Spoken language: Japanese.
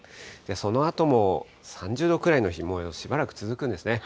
そのあとも、３０度くらいの日もしばらく続くんですね。